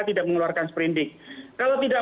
tidak mengeluarkan sprint dig kalau tidak